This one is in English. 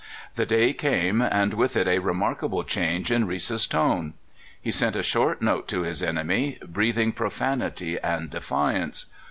The day came, and with it a remarkable change in Reese's tone. He sent a short note to his enemy, breath ing profanity and defiance.